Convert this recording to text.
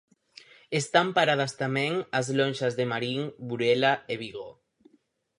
Están paradas tamén as lonxas de Marín, Burela e Vigo.